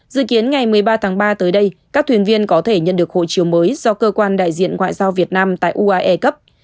dự kiến ngày một mươi ba tháng ba tới đây các thuyền viên có thể nhận được hội chiếu mới do cơ quan đại diện ngoại giao việt nam tại uae cấp